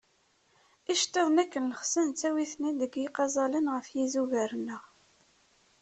Icettiḍen, akken llexsen, nettawi-ten-id deg yiqaẓalen ɣef yizugar-nneɣ.